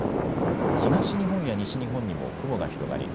東日本や西日本にも雲が広がり